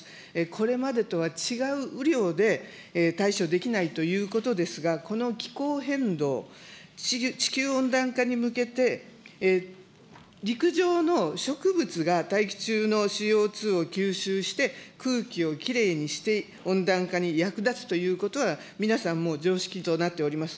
これまでとは違う雨量で対処できないということですが、この気候変動、地球温暖化に向けて、陸上の植物が大気中のＣＯ２を吸収して、空気をきれいにして、温暖化に役立つということは、皆さんもう常識となっております。